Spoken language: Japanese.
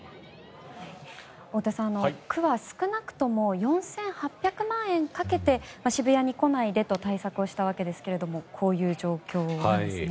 太田さん、区は少なくとも４８００万円かけて渋谷に来ないでと対策をしたわけですがこういう状況ですね。